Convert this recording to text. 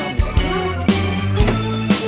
kalau bisa kita level